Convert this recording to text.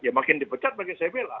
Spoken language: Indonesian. ya makin dipecat makin saya bela